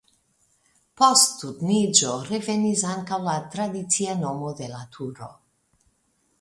Post Turniĝo revenis ankaŭ la tradicia nomo de la turo.